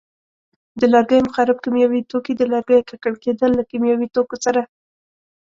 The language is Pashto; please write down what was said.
د لرګیو مخرب کیمیاوي توکي: د لرګیو ککړ کېدل له کیمیاوي توکو سره.